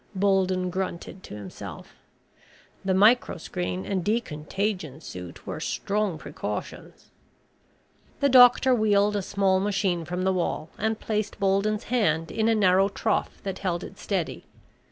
Bolden grunted to himself. The microscreen and decontagion suit were strong precautions. The doctor wheeled a small machine from the wall and placed Bolden's hand in a narrow trough that held it steady.